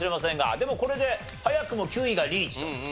でもこれで早くも９位がリーチと。